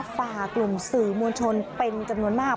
ฝ่ากลุ่มสื่อมวลชนเป็นจำนวนมาก